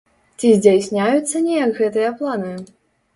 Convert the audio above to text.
Ці здзяйсняюцца неяк гэтыя планы?